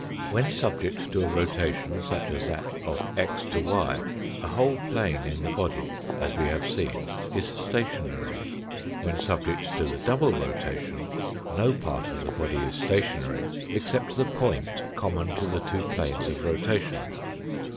When subject to a rotation such a* that of x to y, a whole plane in the body, as we have seen, is stationary. When subject to the double rotatioh no part of the body is stationary except the point common to the two planes of rotation.